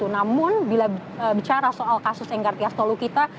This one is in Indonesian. namun bila bicara soal kasus enggar tiasno lalu kita